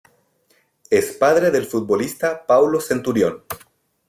Es padre del futbolista Paulo Centurión.